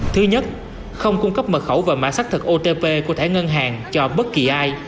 thứ nhất không cung cấp mật khẩu và mã xác thực otp của thẻ ngân hàng cho bất kỳ ai